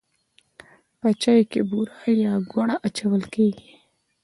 په چای کې بوره یا ګوړه اچول کیږي.